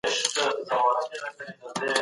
دابه بیا د احمد چغې رېدوي د لاهور مراندې